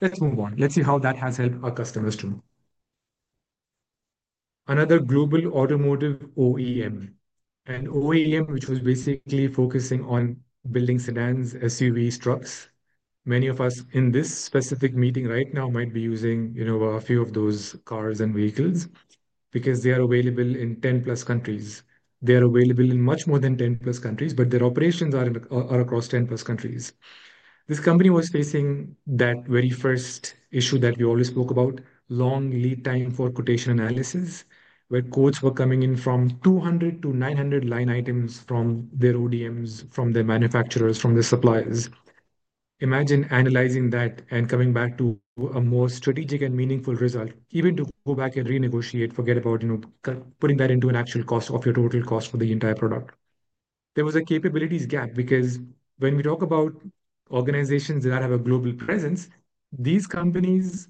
Let's move on. Let's see how that has helped our customers too. Another global automotive OEM, an OEM which was basically focusing on building sedans, SUVs, trucks. Many of us in this specific meeting right now might be using a few of those cars and vehicles because they are available in 10+ countries. They are available in much more than 10+ countries, but their operations are across 10+ countries. This company was facing that very first issue that we always spoke about, long lead time for quotation analysis, where quotes were coming in from 200–900 line items from their ODMs, from their manufacturers, from their suppliers. Imagine analyzing that and coming back to a more strategic and meaningful result, even to go back and renegotiate, forget about putting that into an actual cost of your total cost for the entire product. There was a capabilities gap because when we talk about organizations that have a global presence, these companies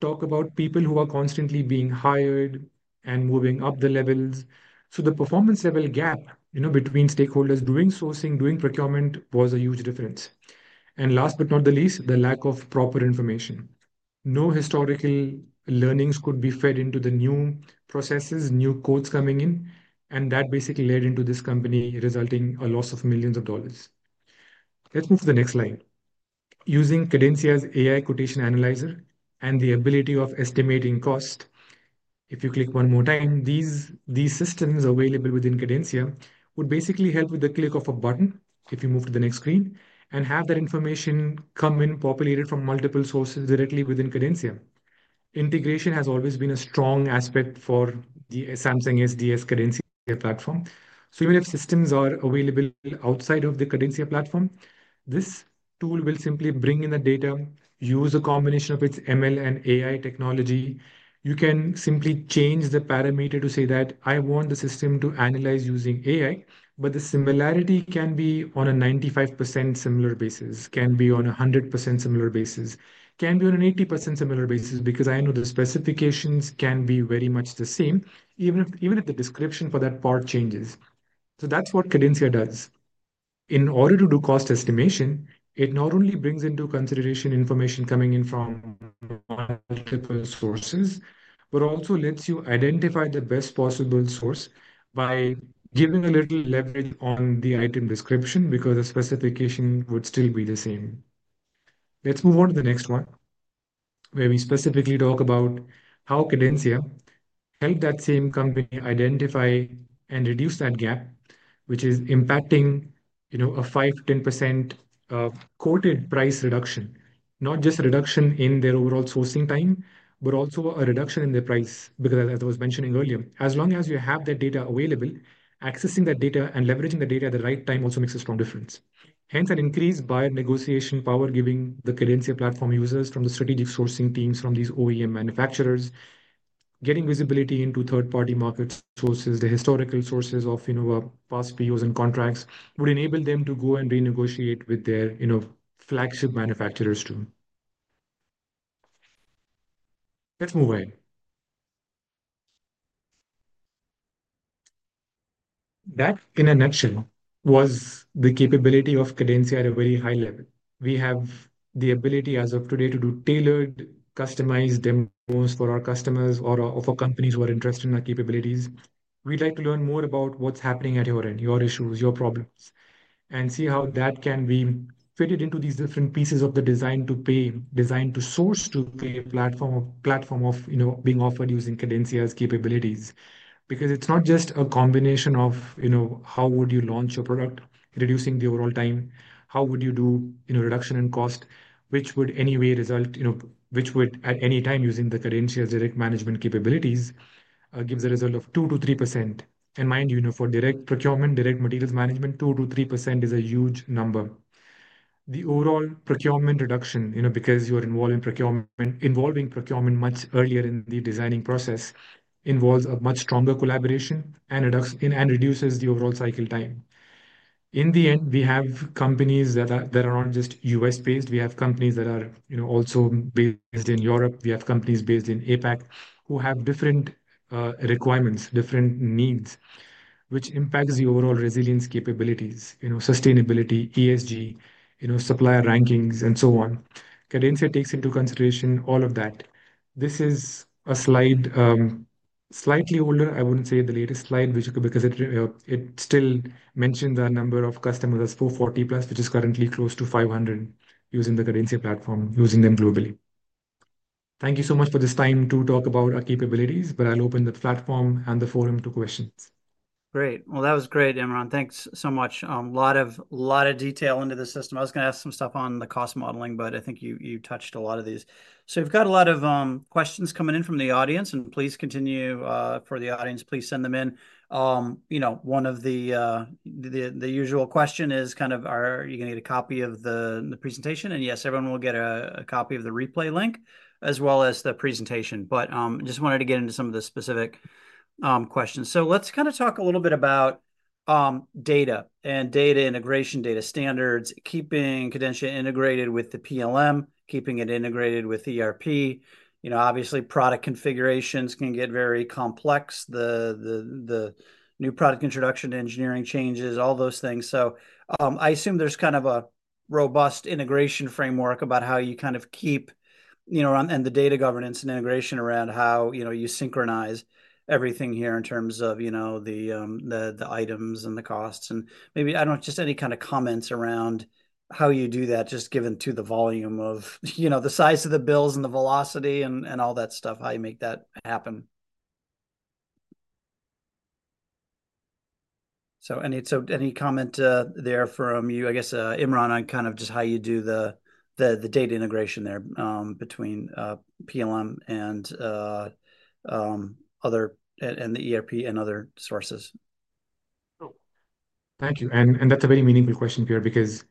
talk about people who are constantly being hired and moving up the levels. The performance level gap between stakeholders doing sourcing, doing procurement was a huge difference. Last but not the least, the lack of proper information. No historical learnings could be fed into the new processes, new quotes coming in, and that basically led into this company resulting in a loss of millions of dollars. Let's move to the next slide. Using Cadencia's AI quotation analyzer and the ability of estimating cost, if you click one more time, these systems available within Cadencia would basically help with the click of a button if you move to the next screen and have that information come in populated from multiple sources directly within Cadencia. Integration has always been a strong aspect for the Samsung SDS Cadencia Platform. Even if systems are available outside of the Cadencia Platform, this tool will simply bring in the data, use a combination of its ML and AI technology. You can simply change the parameter to say that I want the system to analyze using AI, but the similarity can be on a 95% similar basis, can be on a 100% similar basis, can be on an 80% similar basis because I know the specifications can be very much the same, even if the description for that part changes. That is what Cadencia does. In order to do cost estimation, it not only brings into consideration information coming in from multiple sources, but also lets you identify the best possible source by giving a little leverage on the item description because the specification would still be the same. Let's move on to the next one, where we specifically talk about how Cadencia helped that same company identify and reduce that gap, which is impacting a 5%–10% quoted price reduction, not just reduction in their overall sourcing time, but also a reduction in their price because, as I was mentioning earlier, as long as you have that data available, accessing that data and leveraging the data at the right time also makes a strong difference. Hence, an increased buyer negotiation power giving the Cadencia Platform users from the strategic sourcing teams from these OEM manufacturers, getting visibility into third-party market sources, the historical sources of past POs and contracts would enable them to go and renegotiate with their flagship manufacturers too. Let's move ahead. That in a nutshell was the capability of Cadencia at a very high level. We have the ability as of today to do tailored, customized demos for our customers or for companies who are interested in our capabilities. We'd like to learn more about what's happening at your end, your issues, your problems, and see how that can be fitted into these different pieces of the design to pay, design to source to pay platform being offered using Cadencia's capabilities. Because it's not just a combination of how would you launch your product, reducing the overall time, how would you do reduction in cost, which would anyway result, which would at any time using Cadencia's direct management capabilities give the result of 2%–3%. And mind you, for direct procurement, direct materials management, 2%–3% is a huge number. The overall procurement reduction, because you're involving procurement much earlier in the designing process, involves a much stronger collaboration and reduces the overall cycle time. In the end, we have companies that are not just U.S.-based. We have companies that are also based in Europe. We have companies based in APAC who have different requirements, different needs, which impacts the overall resilience capabilities, sustainability, ESG, supplier rankings, and so on. Cadencia takes into consideration all of that. This is a slide slightly older. I wouldn't say the latest slide because it still mentions a number of customers as 440+, which is currently close to 500 using the Cadencia Platform, using them globally. Thank you so much for this time to talk about our capabilities, but I'll open the platform and the forum to questions.
Great. That was great, Imran. Thanks so much. A lot of detail into the system. I was going to ask some stuff on the cost modeling, but I think you touched a lot of these. We've got a lot of questions coming in from the audience, and please continue for the audience. Please send them in. One of the usual questions is kind of, are you going to get a copy of the presentation? Yes, everyone will get a copy of the replay link as well as the presentation. I just wanted to get into some of the specific questions. Let's kind of talk a little bit about data and data integration, data standards, keeping Cadencia integrated with the PLM, keeping it integrated with ERP. Obviously, product configurations can get very complex. The new product introduction engineering changes, all those things. I assume there's kind of a robust integration framework about how you kind of keep the data governance and integration around how you synchronize everything here in terms of the items and the costs. Maybe, I don't know, just any kind of comments around how you do that, just given the volume, the size of the bills, and the velocity and all that stuff, how you make that happen. Any comment there from you, I guess, Imran, on kind of just how you do the data integration there between PLM and the ERP and other sources?
Thank you. That's a very meaningful question, Pierre, because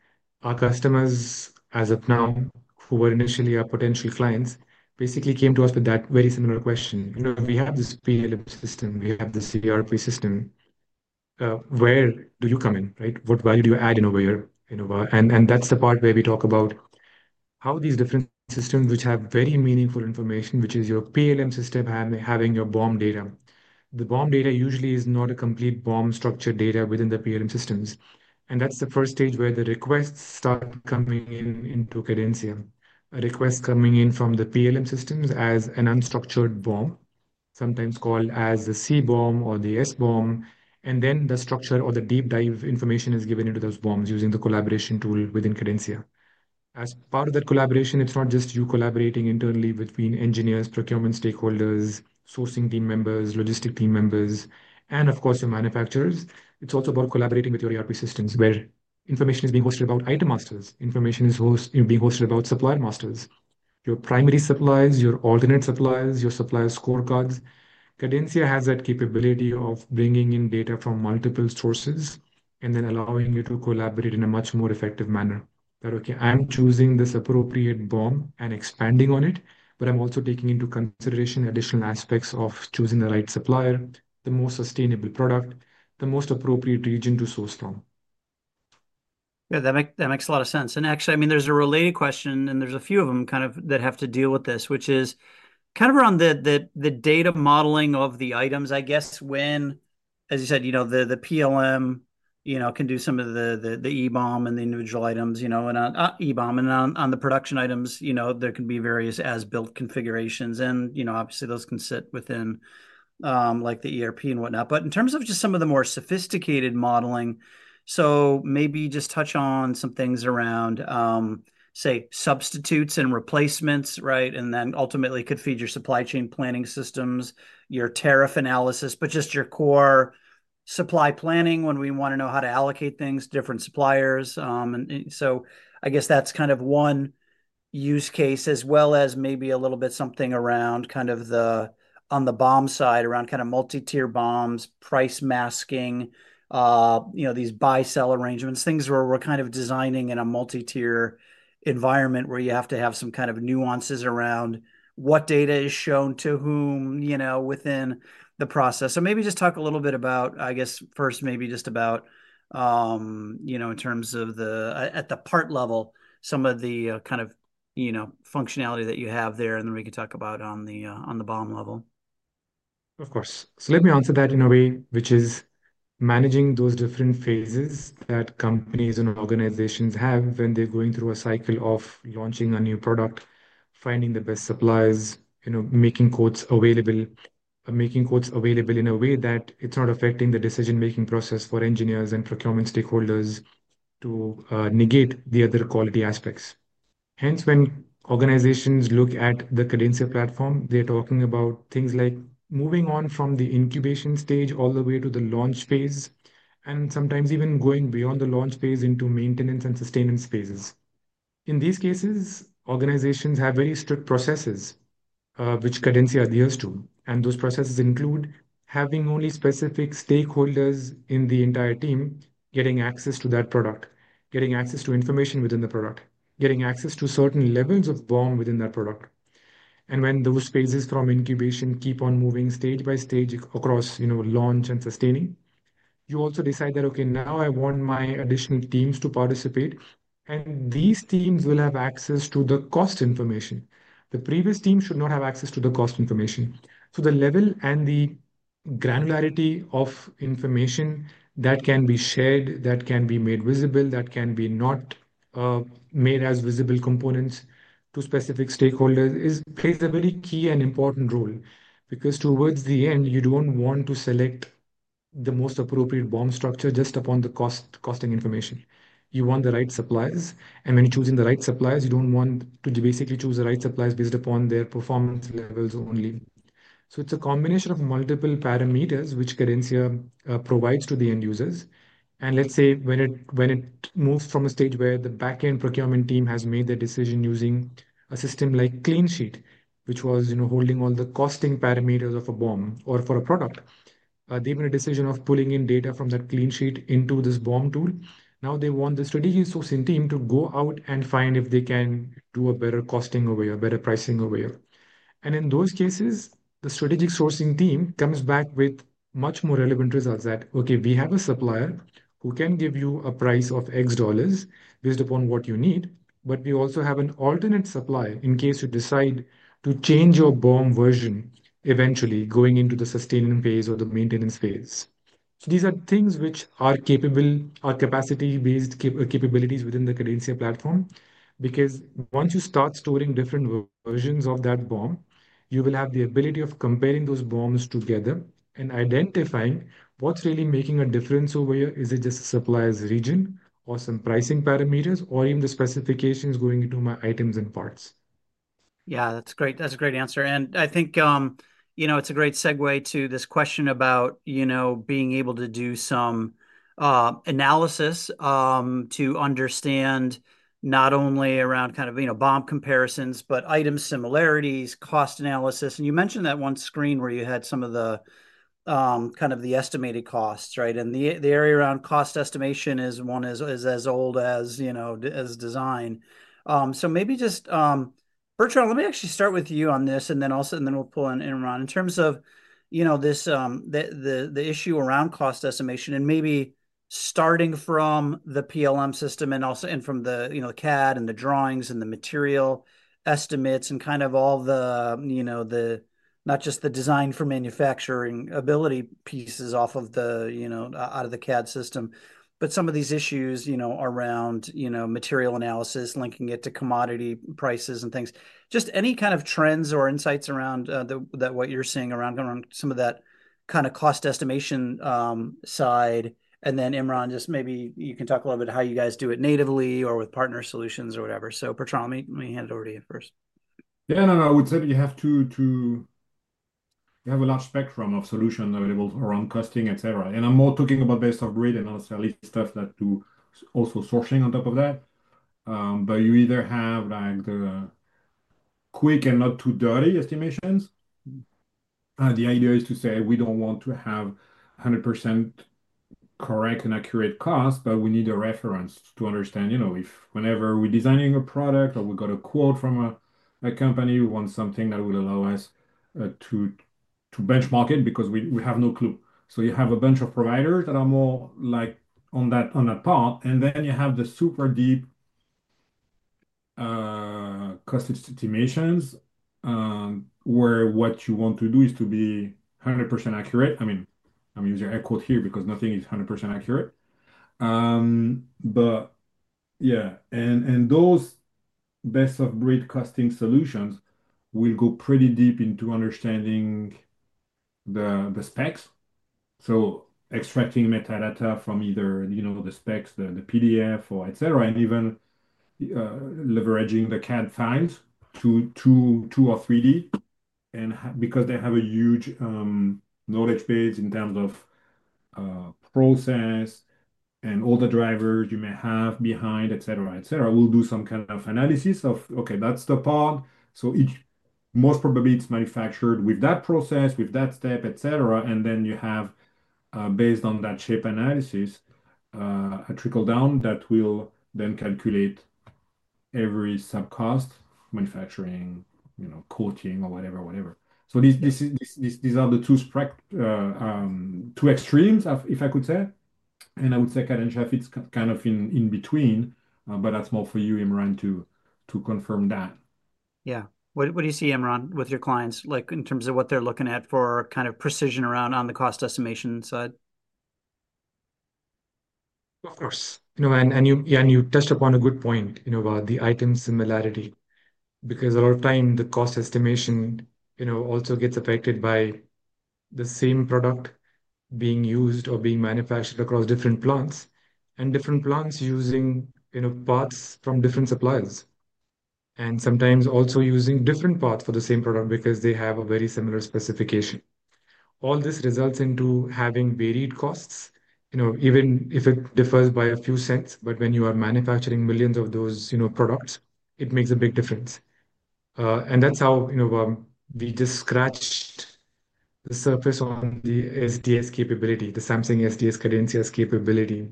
our customers as of now, who were initially our potential clients, basically came to us with that very similar question. We have this PLM system. We have this ERP system. Where do you come in? What value do you add in a way? That is the part where we talk about how these different systems, which have very meaningful information, which is your PLM system having your BOM data. The BOM data usually is not a complete BOM structured data within the PLM systems. That is the first stage where the requests start coming into Cadencia, a request coming in from the PLM systems as an unstructured BOM, sometimes called as the CBOM or the SBOM. The structure or the deep dive information is given into those BOMs using the collaboration tool within Cadencia. As part of that collaboration, it is not just you collaborating internally between engineers, procurement stakeholders, sourcing team members, logistic team members, and of course, your manufacturers. It is also about collaborating with your ERP systems where information is being hosted about item masters. Information is being hosted about supplier masters, your primary suppliers, your alternate suppliers, your supplier scorecards. Cadencia has that capability of bringing in data from multiple sources and then allowing you to collaborate in a much more effective manner. I'm choosing this appropriate BOM and expanding on it, but I'm also taking into consideration additional aspects of choosing the right supplier, the most sustainable product, the most appropriate region to source from.
Yeah, that makes a lot of sense. Actually, I mean, there's a related question, and there's a few of them kind of that have to deal with this, which is kind of around the data modeling of the items, I guess, when, as you said, the PLM can do some of the EBOM and the individual items, and on EBOM and on the production items, there can be various as-built configurations. Obviously, those can sit within the ERP and whatnot. In terms of just some of the more sophisticated modeling, maybe just touch on some things around, say, substitutes and replacements, right? Ultimately, could feed your supply chain planning systems, your tariff analysis, but just your core supply planning when we want to know how to allocate things, different suppliers. I guess that's kind of one use case as well as maybe a little bit something around kind of on the BOM side, around kind of multi-tier BOMs, price masking, these buy-sell arrangements, things where we're kind of designing in a multi-tier environment where you have to have some kind of nuances around what data is shown to whom within the process. Maybe just talk a little bit about, I guess, first, maybe just about in terms of at the part level, some of the kind of functionality that you have there, and then we can talk about on the BOM level.
Of course. Let me answer that in a way which is managing those different phases that companies and organizations have when they're going through a cycle of launching a new product, finding the best suppliers, making quotes available, making quotes available in a way that it's not affecting the decision-making process for engineers and procurement stakeholders to negate the other quality aspects. Hence, when organizations look at the Cadencia Platform, they're talking about things like moving on from the incubation stage all the way to the launch phase, and sometimes even going beyond the launch phase into maintenance and sustenance phases. In these cases, organizations have very strict processes which Cadencia adheres to. Those processes include having only specific stakeholders in the entire team getting access to that product, getting access to information within the product, getting access to certain levels of BOM within that product. When those phases from incubation keep on moving stage by stage across launch and sustaining, you also decide that, okay, now I want my additional teams to participate. These teams will have access to the cost information. The previous team should not have access to the cost information. The level and the granularity of information that can be shared, that can be made visible, that can be not made as visible components to specific stakeholders plays a very key and important role because towards the end, you do not want to select the most appropriate BOM structure just upon the costing information. You want the right suppliers. When choosing the right suppliers, you don't want to basically choose the right suppliers based upon their performance levels only. It is a combination of multiple parameters which Cadencia provides to the end users. Let's say when it moves from a stage where the backend procurement team has made their decision using a system like CleanSheet, which was holding all the costing parameters of a BOM or for a product, they made a decision of pulling in data from that CleanSheet into this BOM tool. Now they want the strategic sourcing team to go out and find if they can do a better costing or a better pricing or whatever. In those cases, the strategic sourcing team comes back with much more relevant results that, okay, we have a supplier who can give you a price of $X based upon what you need, but we also have an alternate supplier in case you decide to change your BOM version eventually going into the sustainance phase or the maintenance phase. These are things which are capacity-based capabilities within the Cadencia Platform because once you start storing different versions of that BOM, you will have the ability of comparing those BOMs together and identifying what's really making a difference over here. Is it just a supplier's region or some pricing parameters or even the specifications going into my items and parts?
Yeah, that's great. That's a great answer. I think it's a great segue to this question about being able to do some analysis to understand not only around kind of BOM comparisons, but item similarities, cost analysis. You mentioned that one screen where you had some of the kind of the estimated costs, right? The area around cost estimation is one as old as design. Maybe just, Bertrand, let me actually start with you on this, and then we'll pull in Imran in terms of the issue around cost estimation and maybe starting from the PLM system and also from the CAD and the drawings and the material estimates and kind of all the not just the design for manufacturing ability pieces off of the out of the CAD system, but some of these issues around material analysis, linking it to commodity prices and things. Just any kind of trends or insights around what you're seeing around some of that kind of cost estimation side. Imran, just maybe you can talk a little bit how you guys do it natively or with partner solutions or whatever. Bertrand, let me hand it over to you first.
Yeah, no, no. I would say that you have to have a large spectrum of solutions available around costing, etc. I'm more talking about based off grid and also stuff that do also sourcing on top of that. You either have the quick and not too dirty estimations. The idea is to say we do not want to have 100% correct and accurate costs, but we need a reference to understand if whenever we are designing a product or we got a quote from a company, we want something that would allow us to benchmark it because we have no clue. You have a bunch of providers that are more on that part. Then you have the super deep cost estimations where what you want to do is to be 100% accurate. I mean, I am using air quote here because nothing is 100% accurate. Yeah, and those best of breed costing solutions will go pretty deep into understanding the specs. Extracting metadata from either the specs, the PDF, or etc., and even leveraging the CAD files to 2D or 3D because they have a huge knowledge base in terms of process and all the drivers you may have behind, etc., etc. We'll do some kind of analysis of, okay, that's the part. Most probably it's manufactured with that process, with that step, etc. You have, based on that shape analysis, a trickle down that will then calculate every subcost, manufacturing, quoting, or whatever, whatever. These are the two extremes, if I could say. I would say Cadencia fits kind of in between, but that's more for you, Imran, to confirm that.
Yeah. What do you see, Imran, with your clients in terms of what they're looking at for kind of precision around on the cost estimation side?
Of course. You touched upon a good point about the item similarity because a lot of time the cost estimation also gets affected by the same product being used or being manufactured across different plants and different plants using parts from different suppliers and sometimes also using different parts for the same product because they have a very similar specification. All this results in having varied costs, even if it differs by a few cents, but when you are manufacturing millions of those products, it makes a big difference. That is how we just scratched the surface on the SDS capability, the Samsung SDS Cadencia's capability.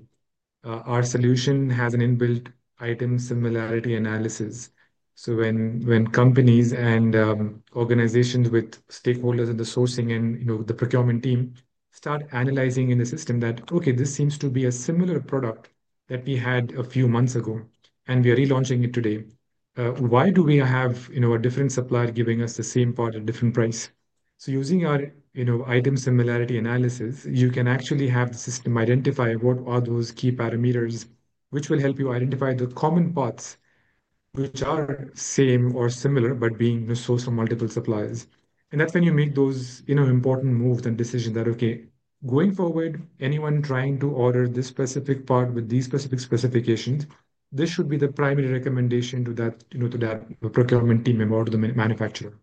Our solution has an inbuilt item similarity analysis. When companies and organizations with stakeholders in the sourcing and the procurement team start analyzing in the system that, okay, this seems to be a similar product that we had a few months ago, and we are relaunching it today, why do we have a different supplier giving us the same part at a different price? Using our item similarity analysis, you can actually have the system identify what are those key parameters which will help you identify the common parts which are same or similar but being sourced from multiple suppliers. That's when you make those important moves and decisions that, okay, going forward, anyone trying to order this specific part with these specific specifications, this should be the primary recommendation to that procurement team or to the manufacturer.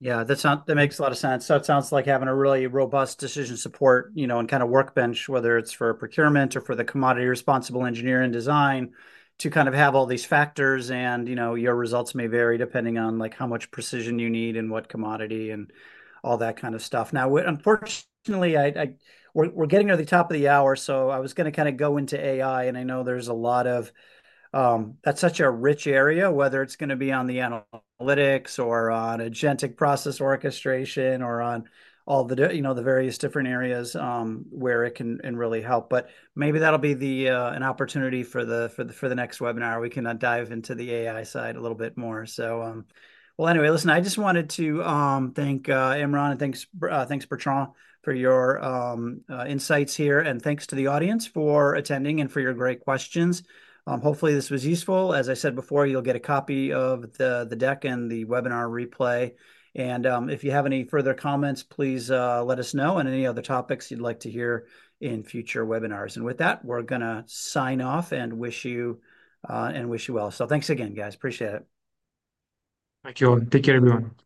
Yeah, that makes a lot of sense. It sounds like having a really robust decision support and kind of workbench, whether it's for procurement or for the commodity responsible engineering design, to kind of have all these factors. Your results may vary depending on how much precision you need and what commodity and all that kind of stuff. Unfortunately, we're getting to the top of the hour, so I was going to kind of go into AI, and I know there's a lot of that's such a rich area, whether it's going to be on the analytics or on agentic process orchestration or on all the various different areas where it can really help. Maybe that'll be an opportunity for the next webinar. We can dive into the AI side a little bit more. Anyway, listen, I just wanted to thank Imran and thanks, Bertrand, for your insights here. Thanks to the audience for attending and for your great questions. Hopefully, this was useful. As I said before, you'll get a copy of the deck and the webinar replay. If you have any further comments, please let us know on any other topics you'd like to hear in future webinars. With that, we're going to sign off and wish you well. Thanks again, guys. Appreciate it. Thank you all. Take care, everyone.